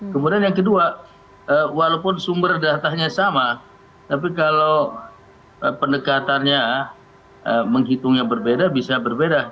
kemudian yang kedua walaupun sumber datanya sama tapi kalau pendekatannya menghitungnya berbeda bisa berbeda